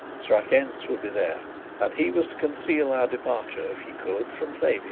Strakencz would be there, and he was to conceal our departure, if he could, from Flavia.